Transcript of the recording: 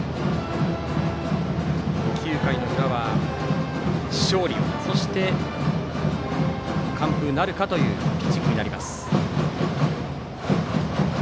９回の裏は勝利をそして完封なるかというピッチングになります。